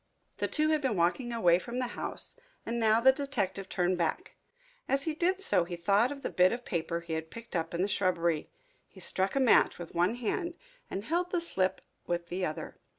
The two had been walking away from the house and now the detective turned back. As he did so he thought of the bit of paper he had picked up in the shrubbery. He struck a match with one hand and held up the slip with the other.